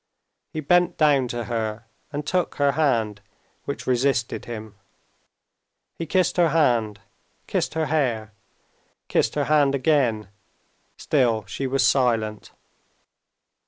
He bent down to her and took her hand, which resisted him. He kissed her hand, kissed her hair, kissed her hand again—still she was silent.